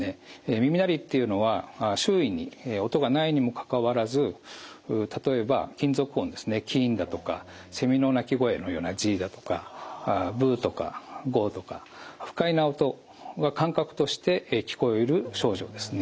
耳鳴りっていうのは周囲に音がないにもかかわらず例えば金属音ですねキンだとかセミの鳴き声のようなジだとかブとかゴとか不快な音が感覚として聞こえる症状ですね。